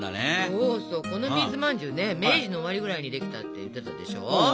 そうそうこの水まんじゅうね明治の終わりぐらいにできたって言ってたでしょ？